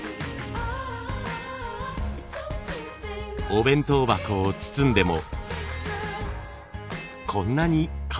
お弁当箱を包んでもこんなにかわいく。